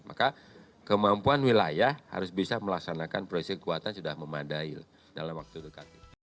maka kemampuan wilayah harus bisa melaksanakan proyeksi kekuatan sudah memadai dalam waktu dekat